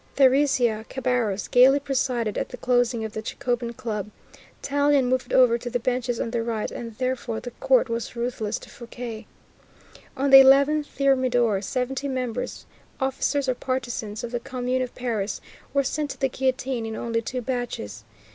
Thérézia Cabarrus gaily presided at the closing of the Jacobin Club, Tallien moved over to the benches on the right, and therefore the court was ruthless to Fouquier. On the 11 Thermidor, seventy members, officers, or partisans of the Commune of Paris, were sent to the guillotine in only two batches.